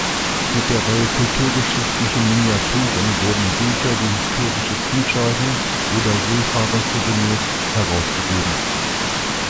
Mit der Reihe „Kulturgeschichtliche Miniaturen“ wurden Bücher wie „Historische Zielscheiben“ oder „Seefahrer-Souvenirs“ herausgegeben.